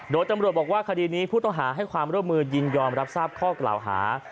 โดยตำรวจบอกว่าคดีนี้ผู้ต้องหาให้ความร่วมมือยินยอมรับทราบข้อกล่าวหา